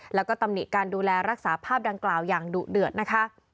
แล้วก็ตำหนิการดูแลรักษาภาพดังกล่าวอย่างดุเดือดนะคะ